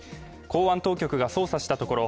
公安当局が捜査したところ